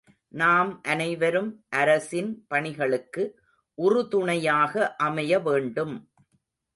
நாம் அனைவரும் அரசின் பணிகளுக்கு உறுதுணையாக அமைய வேண்டும்.